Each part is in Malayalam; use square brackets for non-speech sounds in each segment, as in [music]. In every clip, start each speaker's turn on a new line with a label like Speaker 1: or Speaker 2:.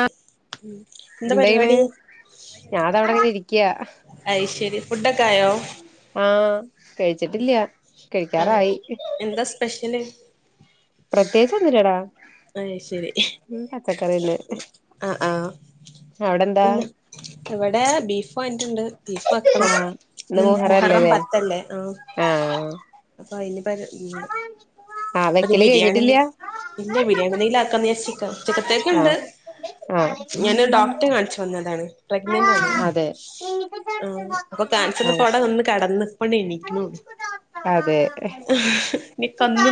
Speaker 1: ആ
Speaker 2: എന്താ
Speaker 1: എന്തേയ്‌ണ്
Speaker 2: പരിപാടി
Speaker 1: ഞാൻത ഇവിടെ ഇരിക്ക്യാ.
Speaker 2: അയ് ശരി ഫുഡൊക്കെ ആയോ
Speaker 1: ആ കഴിച്ചിട്ടില്ല
Speaker 2: ആഹ്
Speaker 1: കഴിക്ക്യാറായി.
Speaker 2: എന്താ സ്പെഷ്യല്
Speaker 1: പ്രത്യേകിചൊന്നുല്ലടാ.
Speaker 2: അഹ് ശെരി ആ ആ
Speaker 1: അവിടെന്താ?
Speaker 2: ഇവിടെ ബീഫ് വാങ്ങിട്ടുണ്ട് ബീഫ് വെക്കണം
Speaker 1: ആഹ്
Speaker 2: ഇന്ന് മുഹറം പത്തല്ലേ? ആ
Speaker 1: ആ
Speaker 2: ഇപ്പയ്ന് ബല് ണ്ട്
Speaker 1: ആഹ് വെക്കല് കഴിഞ്ഞിട്ടില്ല
Speaker 2: ഇന്നെ ബിരിയാണി നയില ആക്കാ ഞാ ചിക്കൻ ചിക്കത്തേക്ക ഉണ്ട്
Speaker 1: ആഹ് ആഹ്
Speaker 2: ഞൻ ഡോക്ടറെ കാണിച്ചു വന്നതാണ് പ്രഗ്നന്റ് ആണ്
Speaker 1: അതെ
Speaker 2: അ കാണുഅന്ന
Speaker 1: ആഹ്
Speaker 2: പട
Speaker 1: ശ
Speaker 2: കടന്ന
Speaker 1: അതെ
Speaker 2: കന്ന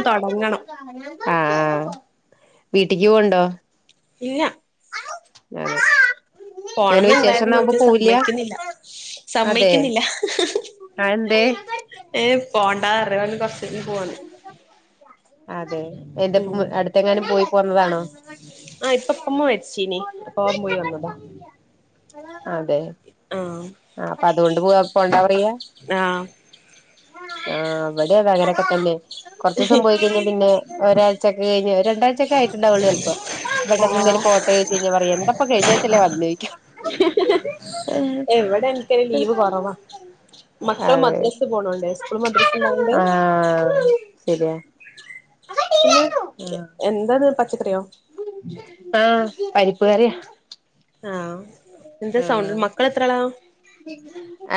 Speaker 1: ആഹ വീട്ടിക്ക് പോണ്ടോ
Speaker 2: ഇല്ലാ
Speaker 1: [unintelligible] അങ്ങനെ വിശേഷംന്നാവുമ്പോ പോവില്ല
Speaker 2: പോണംന്നുണ്ടായിരുന്നുച്ചസമ്മയികന്നില്ല
Speaker 1: അതെ
Speaker 2: സമ്മയിക്കുന്നില്ല
Speaker 1: ആ എന്തേ
Speaker 2: പോണ്ടാ അറ
Speaker 1: അതെ എന്റെപ്പ അടുത്തെങ്ങാനും പോയി പോന്നതാണോ
Speaker 2: ആഹ ഇപ്പപ്പമ്മ മരിച്ചീനി അപ്പോൻ പോയി വന്നതാ
Speaker 1: അതെ
Speaker 2: ആഹ്
Speaker 1: ആ പ്പഅതൊണ്ട് പോ പോണ്ടാ പറിയ
Speaker 2: ആ
Speaker 1: ആഹ ഇവടെ അങ്ങനൊക്കെ തന്നെ കുറച്ച ദിവസം പോയി കഴിഞ്ഞാൽ പിന്നെ ഒരാഴ്ചൊക്കെ കഴിഞ്ഞഞ് രണ്ടഴ്ച ഒക്കെ ആയിട്ടുണ്ടാവുള്ളൂ ചെലപ്പോെ
Speaker 2: ആഹ്
Speaker 1: പോട്ടേച് പറയ എന്തപ്പ കഴിഞ്ഞാഴ്ച വന്നേചോ
Speaker 2: എവിടെ ഇൻക്കൊര് ലീവ് കൊറവാ. മക്കൾ
Speaker 1: അതെ
Speaker 2: മദ്രസ് പോണണ്ട് സ്കൂൾ മദ്രസ് ഇണ്ടാവണ്ട്
Speaker 1: ആ
Speaker 2: എന്താത് പച്ചക്കറിയോ
Speaker 1: ആഹ പരിപ്പ് കറിയാ
Speaker 2: ആഹ് എന്താ
Speaker 1: ആ
Speaker 2: സൗണ്ട് മക്കള് എത്ര ആളാ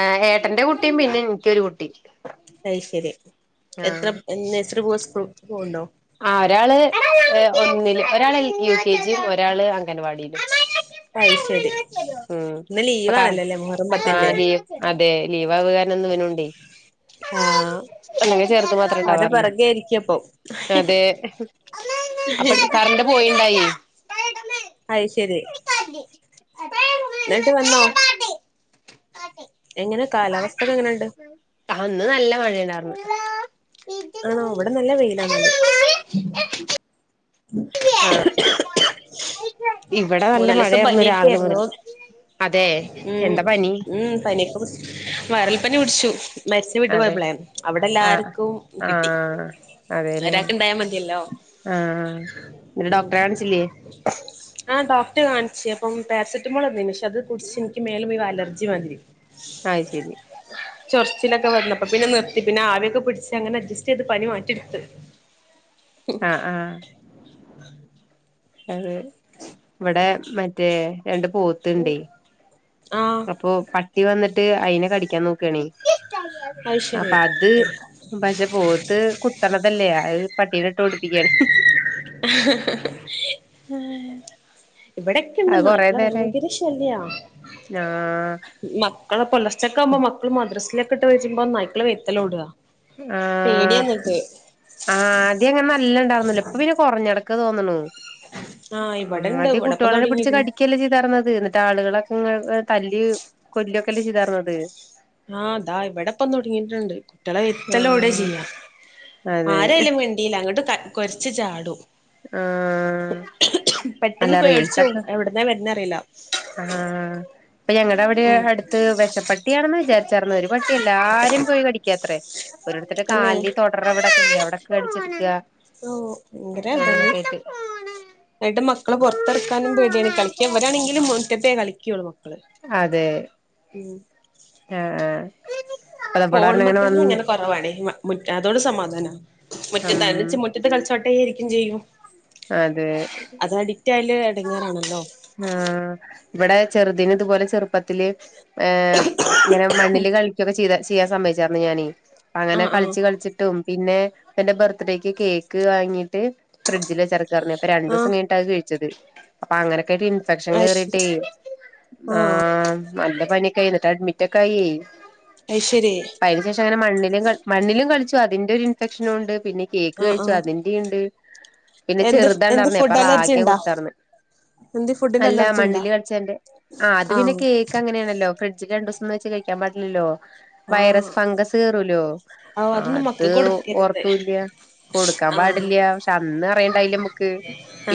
Speaker 1: ആ ഏട എന്റെ കുട്ടിയും പിന്നെ എനിക്കൊരു കുട്ടി
Speaker 2: അയ് ശരി എത്ര നെസ്രി പോ സ്കൂല്ക്പോണ്ടോ
Speaker 1: ആ ഒരാള് ഒന്നില് ഒരാള് ൽകെ ജിയും ഒരാള് അംഗൻവാടിയിലും
Speaker 2: അയ് ശരി
Speaker 1: ഉം
Speaker 2: ഇന്ന്
Speaker 1: ഇപ്പൊ കാരണം
Speaker 2: ലീവാണല്ലോല്ലേ മുഹറം
Speaker 1: ആ
Speaker 2: പത്തിന്റെ
Speaker 1: അതെ ലീവവുകാരനം ഇന്ന് ഇവനുണ്ടേ
Speaker 2: ആഹ്
Speaker 1: അല്ലങ്കെ ചെറ്ത്
Speaker 2: അവരെ
Speaker 1: മാത്രണ്ടാവാറുളളൂ
Speaker 2: പിറകെ ഇരിക്കപ്പൊ
Speaker 1: അതെ അപ്പൊ കറണ്ട് പോയിണ്ടായി
Speaker 2: അത് ശരി എന്നിട്ട് വന്നോ
Speaker 1: [inaudible]
Speaker 2: എങ്ങനെ കാലാവസ്ഥക്കെ എങ്ങനെണ്ട്
Speaker 1: ഇന്ന് നല്ല മഴണ്ടായിരുന്നു
Speaker 2: ആണോ അവിടെ നല്ല വെയിലാന്നല്
Speaker 1: ഇവിടെ നല്ല
Speaker 2: മൂന്നല് ദിവസം
Speaker 1: മഴയായിരുന്നു രാവിലെ മുതൽ
Speaker 2: പനിയൊക്കൊയിരുന്നു
Speaker 1: അതെ
Speaker 2: ഉം
Speaker 1: എന്താ പനി
Speaker 2: ഉ പനിഒക്കെ വൈറൽപ്പനി പിടിച്ചു മരിച്ച വീട്ടു പോയ്പളെ അവിടെ എല്ലാവർക്കും
Speaker 1: ആഹ അതേലേ
Speaker 2: മതിയല്ലോ
Speaker 1: ആഹ ന്നിട്ട് ഡോക്ടറെ കാണിച്ചില്ലേ
Speaker 2: ഡോക്ർ കാണിച്ച് അപ്പം പാരസെറ്റമോൾ തന്നയെനി അത് കുടിച്ച് എനിക്ക് മേലുമേൽ അലർജി വന്നി
Speaker 1: അത് ശരി
Speaker 2: ചൊറച്ചിലൊക്കെ വന്നപ്പോ പിന്നെ നിർത്തി പിന്നെ ആവിയൊക്കെ പിടിച്ച് അങ്ങനെ അഡ്ജസ്റ്റ് ചെയ്ത് പനി മാറ്റിെടുത്ത്
Speaker 1: ആആ അത് ഇവിടെ മറ്റേ രണ്ട് പോത്തുണ്ടേ
Speaker 2: ആ
Speaker 1: അപ്പൊ പട്ടി വന്നിട്ട് അയിനെ കടിക്കാൻ നോക്കുകാണെ
Speaker 2: അത്
Speaker 1: അപ്പൊ അത്
Speaker 2: ശരി
Speaker 1: പക്ഷെ പോത്ത് കുത്തണതല്ലേ അത് പട്ടിനെ ട്ടോടുപ്പിക്കാണ്
Speaker 2: ഇവിടെക്കെ ഇണ്ട്
Speaker 1: അത് കൊറേ
Speaker 2: നായ്ക്കള
Speaker 1: നേരായി
Speaker 2: ഭയങ്കര ശല്യ
Speaker 1: ആഹ്
Speaker 2: മക്കളെ പോല ഉച്ചക്കെകുമ്പോ മക്കൾ മദ്രസിലൊക്ക വിട്ട് വരുമ്പോ നല്ല വേഗത്തിലൊടുക
Speaker 1: ആഹ ആദ്യം അങ്ങനെ നല്ലണ്ടായിരുന്നല്ല ഇപ്പൊ പിന്നെ കുറഞ്ഞിടക്ക ക്ക് തോന്നണ
Speaker 2: ആഹ്
Speaker 1: ആ
Speaker 2: ഇവിടെണ്ട്
Speaker 1: ആദ്യ
Speaker 2: ഇവിടെപ്പം
Speaker 1: കുട്ടികളെ പിടിച്ച്
Speaker 2: തുടങ്ങിയിരുന്നു
Speaker 1: കടിക്കല്ലേ ചെയ്തർന്നത് എന്നിട്ട് ആളുകളൊക്കെ തല്ലി കൊല്ലൊക്കെല്ലേ ചെയ്തർന്നത്
Speaker 2: ആഹ്താ ഇവിടെപ്പ തുടങ്ങിട്ടണ്ട് കുട്ടികള വിത്തലോടെ
Speaker 1: ആഹ്
Speaker 2: ചെയ്യാം
Speaker 1: അതെ
Speaker 2: ആരാലും വേണ്ടില്ല അങ്ങോട്ട് കൊരച്ച് ചാടും പെട്ടെന്ന്
Speaker 1: നല്ല റീൽസ്
Speaker 2: പേടിച്ച് പോവും
Speaker 1: ഒക്കെ
Speaker 2: എവിടന്നാ വരുന്നേ അറിയില്ല
Speaker 1: ആഹ ഇപ്പൊ ഞങ്ങളുടെ അവിടെ
Speaker 2: ഉം
Speaker 1: അടുത്ത് വിഷപ്പെട്ടിയാണെന്ന് വിചാരി ചർ ഒരു പട്ടി ഉണ്ട് എല്ലാരും പോയി കടിക്കാത്രേ ഓരോരുത്തരുടെ
Speaker 2: തന്നെ
Speaker 1: കാലിൽ തൊടർ ഇവിടെ വടക്ക അടിച്ചിരിക്ക
Speaker 2: ഓ ഭയങ്കര അതാണ് എന്റെ മ മക്കളെ പുറത്തിറക്കാനും പേടിയാണ് കളിക്കാൻ വരാണെങ്കിലും മുറ്റത്തെ കളിക്കുകയുള്ളൂ ഉം
Speaker 1: ആ ആ
Speaker 2: ഫോൺ മക്കള്ളെ അങ്ങനെ കുറവാണ് അതോണ്ട് സമാധാനം
Speaker 1: ഉം
Speaker 2: മുറ്റത്ത മുറ്റത്ത് കളിച്ചോട്ടയിരിക്കും ചെയ്യൂ
Speaker 1: അതെ
Speaker 2: എടങ്ങാറാണല്ലോ
Speaker 1: ആ ഇവിടെ ചെറുതിന് ഇതുപോലെ ചെറുപ്പത്തില് ഹ് ഇങ്ങനെ മണ്ണില് കളിക്കൊക്കെ ചെയ്താ ചെയ്യാൻ സമ്മച്ചായിരുന്നു ഞാനീ അങ്ങനെ
Speaker 2: ആഹ്
Speaker 1: കളിച്ച് കളിച്ചിട്ടും പിന്നെ എന്റെ ബർത്ത്ഡേയ്ക്ക് കേക്ക് വാങ്ങിട്ട് ഫ്രിഡ്ജില് വെച്ച പറഞ്ഞപ്പ രണ്ട് ദിവസം
Speaker 2: ആഹ്
Speaker 1: കഴിട്ട അത് കഴിച്ചത് അപ്പൊ അങ്ങനെ എന്നിട്ട് ഇൻഫെക്ഷൻ
Speaker 2: ആഹ് അയ്ശരി
Speaker 1: കയറിയിട്ട്
Speaker 2: ആഹ്
Speaker 1: നല്ല പനി കഴിഞ്ഞിട്ട് അഡ്മിറ്റ് ഒക്കെ ആയി
Speaker 2: അയ്ശരി
Speaker 1: അതിന് ശേഷം അങ്ങനെ മണ്ണിലും കളി മണ്ണിലും കളിച്ചു ഇപ്പോ അതിന്റെ ഒരു ഇൻഫെക്ഷന് ഉണ്ട് പിന്നെ കേക്ക്
Speaker 2: ആഹ്
Speaker 1: കഴിച്ച്
Speaker 2: ആഹ്
Speaker 1: അതിന്റെയും ഉണ്ട് പിന്നെ
Speaker 2: എന്ത്
Speaker 1: ചെറുത
Speaker 2: എന്ത്
Speaker 1: ഉണ്ടർന്ന അപ്പൊ
Speaker 2: ഫുഡ് അലർജി
Speaker 1: റാഗിയ
Speaker 2: ഇണ്ടാ
Speaker 1: കൊടുത്തർന്ന്
Speaker 2: എന്ത് ഫുഡിന്റെ
Speaker 1: അല്ല
Speaker 2: അലർജി ഇണ്ടാ
Speaker 1: മണ്ണില് കളിച്ചന്റെ ആ അത് പിന്നെ
Speaker 2: ആഹ്
Speaker 1: കേക്ക് അങ്ങനെയാണല്ലോ ഫ്രിഡ്ജ രണ്ട് ദിവസം വെച്ച് കഴിക്കാൻ പറ്റില്ലല്ലോ
Speaker 2: ആഹ്
Speaker 1: വൈറസ് ഫംഗസ് കയറൂലോ
Speaker 2: ആഹ് അതൊന്നും
Speaker 1: അത്
Speaker 2: മക്കക്ക് കൊടുക്കരുത്
Speaker 1: ഓർക്കൂല കൊടുക്കാൻ
Speaker 2: ആഹ്
Speaker 1: പാടില്ല പക്ഷെ അന്ന് പിന്നെ ഉണ്ടായില്ല നമുക്ക്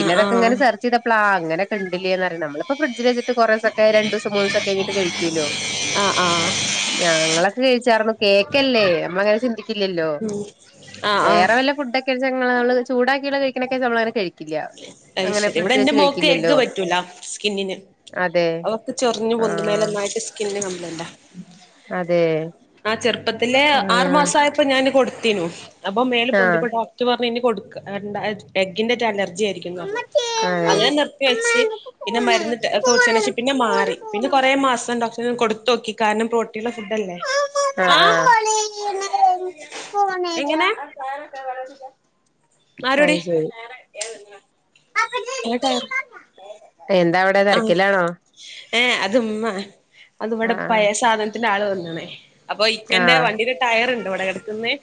Speaker 2: ആഹ്
Speaker 1: ഇങ്ങനെ
Speaker 2: ആഹ്
Speaker 1: സെർച്ച്‌ ചെയ്പ്പളാ ആ അങ്ങനൊക്കെണ്ടല്ലേ എന്നറിഞ്ഞത് നമ്മിപ്പ ഫ്രഡ്ജിൽ വച്ചിട്ട് കുറ ദിവസൊക്കെ രണ്ടു ദിവസം മൂന്ന് ദിവസൊക്കെ കഴിഞ്ഞിട്ട് കഴിക്കൂല്ലോ
Speaker 2: ആഹ് ആഹ്
Speaker 1: ഞങ്ങളൊക്കെ കഴിച്ചായിരുന്നു കേക്കല്ലേ നമ്മ അങ്ങനെ ചിന്തിക്കില്ലല്ലോ
Speaker 2: ഉം ആഹ് ആഹ്
Speaker 1: വേറെ വല്ല ഫുഡൊക്കെ നമ്മള് ചൂടാക്കിയുള്ള കഴിക്കിനൊക്കെ നമ്മളനെ കഴിക്കില്ല
Speaker 2: അത്
Speaker 1: അങ്ങനെ
Speaker 2: ശരി ഇവിടെ
Speaker 1: ഫ്രിഡ്ജ്
Speaker 2: എന്റെ
Speaker 1: വെച്ച്
Speaker 2: മോക്ക്
Speaker 1: കഴിക്കില്ലല്ലോ
Speaker 2: എഗ് പറ്റൂല സ്കിന്നിന്
Speaker 1: അതെ
Speaker 2: അവക്ക് ചൊറിഞ്ഞു
Speaker 1: ആഹ്
Speaker 2: ഒന്ന്മേലൊന്നായിട്ട് സ്കിന്ന് കംപ്ലൈന്റാ
Speaker 1: അതെ
Speaker 2: ആ ചെറുപ്പത്തിലെ
Speaker 1: ആഹ്
Speaker 2: ആറു മാസയപ്പോ ഞാന് കൊടുത്തനു അപ്പൊ മേൽ
Speaker 1: ആഹ്
Speaker 2: പൊന്തിപ്പൊ ഡോക്ടർ പറഞ്ഞ ഇനി കൊടുക്കണ്ട എഗ്ഗിന്റെയൊക്കെ അലർജിയന്ന്
Speaker 1: അതെ
Speaker 2: അങ്ങനെ നിർത്തി വെച്ച് പിന്നെ മരുന്ന് ഒക്കെ കുടിച്ചതിന് ശേഷം പിന്നെ മാറി പിന്നെ കുറെ മാസം ഡോ കൊടുത്തു നോക്കി കാരണം പ്രോട്ടീനുള്ള ഫുഡല്ലേ ആഹ് എങ്ങനെ ആരോടി
Speaker 1: അയ് ശരി
Speaker 2: [unintelligible] ഏട്ട
Speaker 1: എന്താ അവിടെ
Speaker 2: ആഹ്
Speaker 1: തെരക്കിലാണോ
Speaker 2: ഏഹ് അത് മ്മ അതിവ് ടെ
Speaker 1: ആഹ്
Speaker 2: പയേ സാധനത്തിന്റെ ആള് വന്ന്ണേ അപ്പൊ ഇക്കന്റെ
Speaker 1: ആഹ്
Speaker 2: വണ്ടിടെ ടയർണ്ട് ഇവിടെ കടക്ക് ന്നേ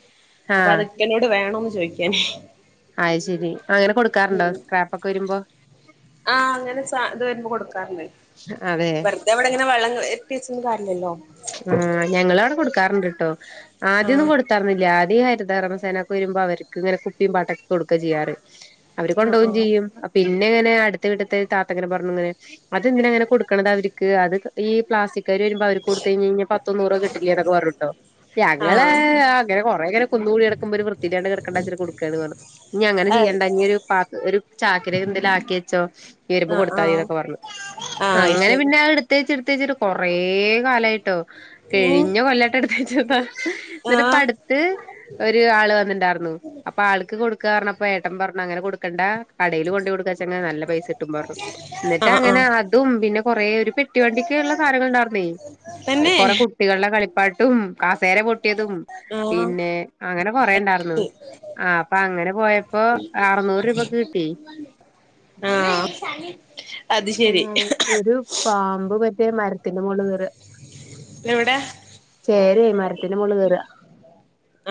Speaker 2: അപ്പൊ
Speaker 1: ആഹ്
Speaker 2: അത് ഇക്കനോട് വേണോ ന്ന് ചോയിക്കാന്
Speaker 1: അയ് ശരി അങ്ങനെ കൊടുക്കാറുണ്ടോ സ്ക്രാപ്പ് ഒക്കെ വരുമ്പോ?
Speaker 2: പറഞ്ഞ്
Speaker 1: അതെ
Speaker 2: വെറുതെ ഇവിടെ ഇങ്ങനെ വെള്ളം എട്ടി സത്തിന് കാര്യയലല്ലോ
Speaker 1: ആഹ് ഞങ്ങളവ്ടെ കൊടുക്കാറുണ്ട്ട്ടോ ആദ്യൊന്നും
Speaker 2: ആ
Speaker 1: കൊടുത്താറുന്നില്ല തടി ഹരിതകർമസേന ക്ക് വരുമ്പോ അവർക്ക് ഇങ്ങനെ കുപ്പി പാട്ടൊക്കെ കൊടുക്കാ ചെയ്യാറ് അവര്
Speaker 2: ആ ആ
Speaker 1: കൊണ്ടോവും ചെയ്യും അപ്പി പിന്നെ ഇങ്ങനെ അടുത്തവീട്ട് ത്തെ ഒരു താത്തങ്ങനെ പറഞ്ഞു ഇങ്ങനെ അതെന്തിനാ ഇങ്ങനെ കൊടുക്കണത അവരിക്ക് അത് ഈ പ്ലാസ്റ്റിക്കേര് വരുമ്പ കൊടുത്ത കഴിഞ് കഴിഞ്ഞ പത്തൊന്നൂറൊ കിട്ടില്ലേ എന്നൊക്കെപ റഞ്ഞുട്ടോ
Speaker 2: ആ
Speaker 1: ഞങ്ങള് അങ്ങനെ കൊറെ കുന്ന് കൂടി എടക്കുമ്പൊ രു വൃത്തില്ലാണ്ട് കടക്കണ്ടച്ച് ട്ട് കൊടുക്കാണ്ന്ന് പറഞ്ഞു ഇനി അങ്ങനെ
Speaker 2: ആ
Speaker 1: ചെയ്യേണ്ട ഒരു പ ഒരു ചാക്കി ല് എന്തേങ്കിലും ആക്കി വെച്ചോ ഇനിവെരുമ്പോ
Speaker 2: ആ
Speaker 1: കൊടുത്താതി ന്നൊക്കെ
Speaker 2: ആ
Speaker 1: പറഞ്ഞു
Speaker 2: ആ
Speaker 1: അങ്ങനെ
Speaker 2: അയ്ശരി
Speaker 1: പിന്നെ എടുത്തച്ച് ഇട്തച്ചിട്ട് കൊറേ കാലായിട്ടോ
Speaker 2: ഉം
Speaker 1: കെഴിഞ്ഞ കൊല്ലാട്ട എടുത്തച്ചതാ
Speaker 2: ആ
Speaker 1: ന്നിട്ട് പടുത്ത് ഒരു ആള് വന്നിണ്ടായിരുന്നു അപ്പൊ ആൾക്ക് കൊടുക്കാറ് ഞ്ഞപ്പോ ഏട്ടൻ പറഞ്ഞു അങ്ങനെ കൊടുക്കണ്ട കടേല് കൊണ്ട് കൊടുക്കാച്ചെങ്ങെ നല്ല പൈസ കിട്ടും പറഞ്ഞു
Speaker 2: ആ
Speaker 1: ഇന്നിട്ട്
Speaker 2: ആ
Speaker 1: അങ്ങനെ അതും പിന്നെ കൊറേ ഒരു പെട്ടിവണ്ടിക്ക് കുള്ള സാനങ്ങ ള് ണ്ടായിർന്നേ
Speaker 2: തന്നെ
Speaker 1: കൊറെ കുട്ടികള്ടെ കളിപ്പാട്ടും കാസേര പൊട്ടി യെതും
Speaker 2: ആ
Speaker 1: പിന്നെ അങ്ങനെ കൊറേ ഇണ്ടായിരുന്നു ആ അപ്പൊ അങ്ങനെ പോയപ്പോ ഇപ്പൊ അറനൂറ് രൂപക്ക് കിട്ടി
Speaker 2: ആഹ്
Speaker 1: ആ ഒരു പാമ്പ് മറ്റേ മരത്തിന്റെ മോള് കേറ
Speaker 2: എവിടെ
Speaker 1: ചേരെ യ്മരത്തിന്റെ മോള് കേറ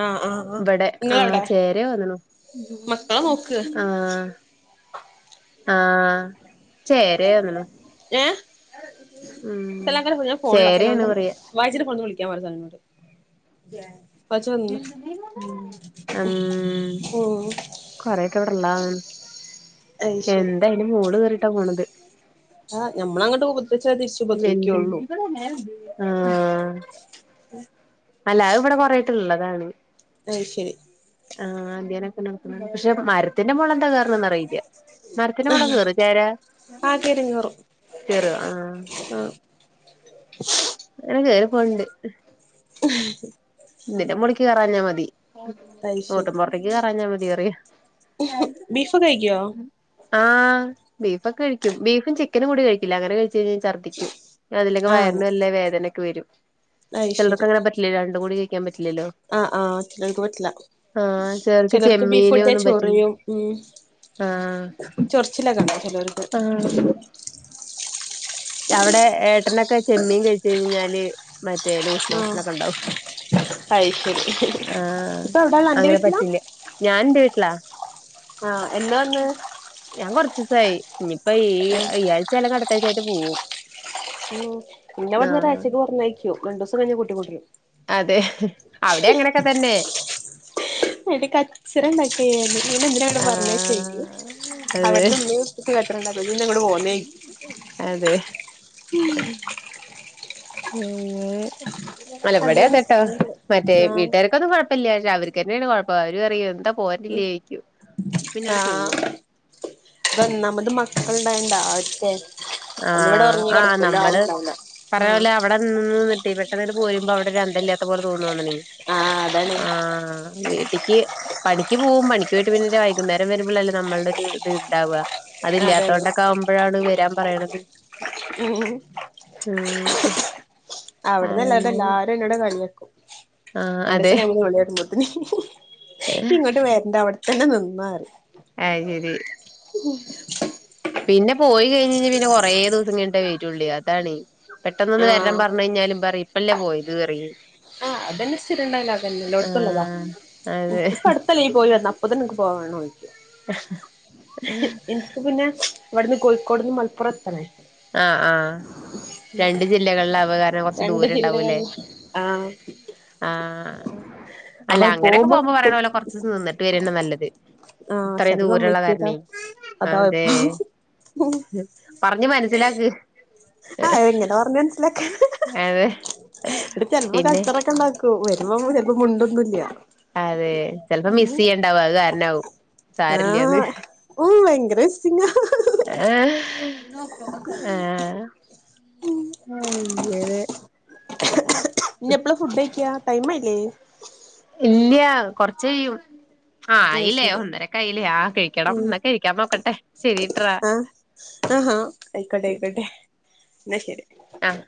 Speaker 2: ആഹ് ആഹ് ആഹ്
Speaker 1: ഇവിടെ ആ
Speaker 2: നിങ്ങളവിടെ
Speaker 1: ചേരേന്നു ണു
Speaker 2: മക്കളെ നോക്ക്
Speaker 1: ആഹ് ആഹ് ചെരെന്ന്ണു
Speaker 2: സലാങ്ക ഞാൻഫോണിലാ
Speaker 1: ചേരയാണ്
Speaker 2: സലാങ്ക
Speaker 1: പറയാ
Speaker 2: വായിജിന്റെ ഫോ ണിന്ന് വിളിക്കാൻ പറ സലാങ്കനോ ട് ജെ
Speaker 1: ഉം ആഹ്
Speaker 2: ഉം
Speaker 1: കൊറെക്കെ ഇവിടെള്ളാണ്
Speaker 2: അയ്
Speaker 1: എന്താഅയി ന് മോള് കേറിട്ടാ പോണത്
Speaker 2: ആ ഞമ്മള അങ്ങട്ട് ഉപ
Speaker 1: വെന്ത [unintelligible] ആഹ് അല്ല അഹ് വടെ കൊറേ തിന്നതാണ്
Speaker 2: ത് ശരി.
Speaker 1: ആഹ്, അധ്യാനൊക്കെ നോക് പക്ഷെ മരത്തിന്റെ മുള എന്താ കേറണംന്ന് റിയില്ല. മരത്തിന് മുകളിലൊക്കെ കെറോ ചേര.
Speaker 2: ആകെ എടങ്ങേറും
Speaker 1: കേറ, ആഹ്,
Speaker 2: ആഹ്
Speaker 1: നകേറി പോൽണ്ട്.
Speaker 2: [unintelligible]
Speaker 1: ഇതിന്റെ മോളിക്ക് കേറാഞ്ഞാ മതി. ഓട്ടുംമ്പുറത്ക്ക് കേറഞ്ഞാൽ മതി. യറിയ.
Speaker 2: ബീഫക്കെ കഴിക്കൊ?
Speaker 1: ആഹ്, ബീഫൊക്കെ കഴിക്കും. ബീഫും ചിക്കനും കൂടി കഴിക്കില്ല. അങ്ങനെ കഴിച്ച കഴിഞ്ഞാ ഛർദ്ദിക്കും. അതിലൊക്കെ
Speaker 2: ആഹ്
Speaker 1: വയറിന് വല്ല വേദനൊക്കെ വരും.
Speaker 2: അയ്
Speaker 1: ചിലർക്ക
Speaker 2: ശരി
Speaker 1: ങ്ങനെ പറ്റില്ല രണ്ടും കൂടി ക
Speaker 2: ആഹ്, ആഹ് ചിലർക്ക് പറ്റില്ല.
Speaker 1: ആഹ്
Speaker 2: ചിലർക്ക് ബീഫ്
Speaker 1: ചെമ്മീന്
Speaker 2: കൂട്ടിയ
Speaker 1: ഒന്നും പറ്റില്ല
Speaker 2: ചോറിയും. ഉം
Speaker 1: ആഹ്
Speaker 2: ചൊറിച്ചിലൊക്കണ്ടാ ചലോ.
Speaker 1: ആഹ് അവിടെ ഏട്ടനൊക്കെ ചെമ്മീൻ കഴിച്ച കഴിഞ്ഞാല്. മറ്റേ. ! ! ! ! !
Speaker 2: ആഹ് ! ! ! ! !
Speaker 1: ണ്ടാവും.
Speaker 2: അയ് ശരി
Speaker 1: ആഹ്,
Speaker 2: ഇപ്പൊ എവിടാ ഉള്ളെ അന്റെ
Speaker 1: അങ്ങനെ
Speaker 2: വീട്ടിലാ
Speaker 1: പറ്റില്ല. ഞാന് ന്റെ വീട്ടിലാ...
Speaker 2: ആഹ്, എന്ന വന്ന്?
Speaker 1: സായി ഇനിയിപ്പ ഈ
Speaker 2: ഏഹ്
Speaker 1: ഈ ആഴ്ച അാലക്കെ അടുത്താഴ്ച ആായിട്ട് പോകവും
Speaker 2: ഉം പിന്നെവിടുന്ന് ഒ ഒരുരാച്ചയ്ക്ക് പറഞ്ഞഴക്കോ രണ്ട ദിവസം കഴിഞ്ഞ കൂട്ടിക്കൊണ്ടും
Speaker 1: അതെ അവിടെ അങ്ങനെയൊക്കെ തന്നെ
Speaker 2: അ് കച്ചരംണ്ടാക്കിയരുന്നു എ അവിടെ പറഞ്ഞ ചോയ്ക്കും
Speaker 1: ആഹ്
Speaker 2: അവിടെ
Speaker 1: അതെ
Speaker 2: ഉമ്മേം എല്ലാ
Speaker 1: അതെ ഉം അല
Speaker 2: അധികം
Speaker 1: ഇവിടെയതട്ടോ
Speaker 2: നിക്കാനില്ല
Speaker 1: മറ്റേ
Speaker 2: ആഹ്
Speaker 1: വീട്ടുകാർക്കൊന്നും കുഴപ്പില്ല ച അവർക്ക് ങ്ങനെയാണ് കുഴപ്പം അവും അറിയും എന്താ
Speaker 2: ഉം
Speaker 1: പോരില്ലെന്ന് ചോയിക്കും പിന്നടെ പോവും
Speaker 2: ആഹ് ണ്ടണ്ടാ അറ്റേ
Speaker 1: ആഹ് ആഹ് നമ്മള്
Speaker 2: ആഹ്
Speaker 1: പറയാലെ അവിടെ നിന്ന് നിട്ടി പെട്ട പോരുമ്പോ അവിടെ രന്തല്ലാത്ത പോലെ തോന്നുന്ണേ
Speaker 2: ആഹ് അതാണ്
Speaker 1: ആ വീട്ടിക്ക് പണിക്ക് പോവും പണിക്ക് പോയിട്ട് പിന്നെ വൈകുന്നേരം വരുമ്പോഴല്ലേ നമ്മളുടെ ഒരു ഇത് ഇണ്ടാവുക
Speaker 2: അതെ
Speaker 1: അതില്ലാത്ത
Speaker 2: അതെ
Speaker 1: കൊണ്ടൊക്കെ ആവുമ്പോഴാണ് വരാൻ പറയണത്
Speaker 2: ഉം
Speaker 1: ആഹ
Speaker 2: അവിടന്ന്ല്ലാടെ എല്ലാരും എന്നോട് കണിയെക്കും
Speaker 1: ആഹ്
Speaker 2: രണ്ട
Speaker 1: അതെ
Speaker 2: ദിവസം കഴളിയ ഇങ്ങോട്ട് വരണ്ട അവിടെ തന്നെ നിന്ന റിയും
Speaker 1: അഹ് ശരി
Speaker 2: ഓ [unintelligible]
Speaker 1: പിന്നെ പോയി കഴിഞ്ഞഞ് പിന്നെ കൊറേ ദിവസം കഴിഞ്ഞിട്ടേ വരോള്ളെ അതാണേ പെട്ടെന്നന്ന് വരാൻ
Speaker 2: ആഹ്
Speaker 1: പറഞ്ഞു കഴിഞ്ഞാലും പറയും ഇപ്പല്ലേ പോയി ഇത് റയി
Speaker 2: ആ അതന്നെ സ്ഥിര ണ്ടയ ലോഗല്ലേ ല്ലോടുത്തുള്ളള്ളതാ
Speaker 1: ആഹ് അതെ
Speaker 2: ഇപ്പ അടുത്തല്ലേ ഈ പോയി വന്ന അപ്പ തനിക്ക് പോവാണോന്നോയിക്കും എനിക്ക് പിന്നെ ഇവിടുന്ന് കോഴിക്കോട്ന്ന് മലപ്പുറം എത്തണേ
Speaker 1: ആഹ ആഹ രണ്ട് ജില്ലകളില അ അവകാരണം കൊറച്ച്
Speaker 2: രണ്ട്
Speaker 1: ദൂര ഇണ്ടാവല്ലേ
Speaker 2: ജില്ലകളില ആഹ്
Speaker 1: ആഹ് അല്ല അങ്ങനെയൊക്കെ പോകുമ്പോ പറയണ പോലെ കൊറച്ച ദിവസം നിന്നിട്ട് വരണ നല്ലത്
Speaker 2: ആഹ് പക്ഷെ
Speaker 1: ഇത്രയും
Speaker 2: അത്
Speaker 1: ദൂരള്ള
Speaker 2: സമ്മയ്ക്കൂല
Speaker 1: കാരണെ
Speaker 2: അതാ
Speaker 1: അതെ
Speaker 2: കുഴപ്പം
Speaker 1: പറ ഞ്ഞ് മനസ്സിലാക്
Speaker 2: ആഹ എങ്ങനെ പറഞ്ഞഞ് മനസിലാക്ക
Speaker 1: അതെ
Speaker 2: ഇടെ ചെിലപ്പോ
Speaker 1: പിന്നെ
Speaker 2: കച്ചറൊക്കെ ഉണ്ടാ വരുമ്പോ ചിലപ്പം മുണ്ടൊന്നുംല്ല
Speaker 1: അതെ ചെലപ്പോ മിസ് ചെയ്യണ്ടാവും അത് കാരണാവും സാരില്ല്യാന്ന്
Speaker 2: ആഹ ഓ വെങ്കരജസ്സ്ങ്ങ
Speaker 1: ആഹ ആഹ ആ അങ്ങനെ
Speaker 2: ഇനി എപ്പള ഫുഡ് കഴിക്കിയ ടൈം അയില്ലേ
Speaker 1: ഇല്ല കൊറച്ച ചെയ്യും
Speaker 2: അയ്
Speaker 1: ആയിലെ
Speaker 2: ശരി
Speaker 1: ഒന്നരക്കെയില്ലേ ആ കഴിക്കണം
Speaker 2: ഉം
Speaker 1: എന്നാ കഴിക്കാൻ നോക്കട്ടെ ശെരിട്ടറാ
Speaker 2: ആഹ ആയിക്കോട്ടെ യിക്കോട്ടെഎന്ന ശരി
Speaker 1: ആഹ്